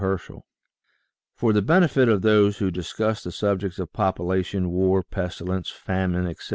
Herschel : For the benefit of those who discuss the subjects of population, war, pestilence, famine, etc.